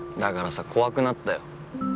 さ怖くなったよ。